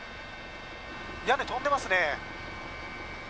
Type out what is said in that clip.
屋根、飛んでますね。